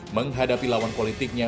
menghadapi lawan politiknya